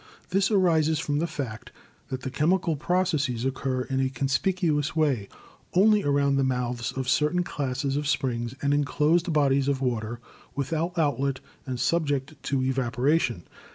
This arises from the fact that the chemical processes occur in a conspicuous way only around the mouths of certain classes of springs and in closed bodies of water without outlet and subject to evap oration.